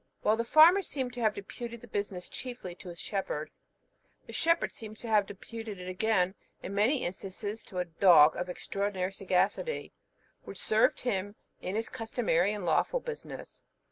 While the farmer seemed to have deputed the business chiefly to his shepherd, the shepherd seemed to have deputed it again, in many instances, to a dog of extraordinary sagacity, which served him in his customary and lawful business.